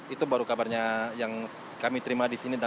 itu baru kabarnya yang kami terima di sini